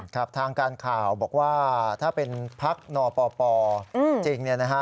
ครับทางการข่าวบอกว่าถ้าเป็นพักนปปจริงเนี่ยนะฮะ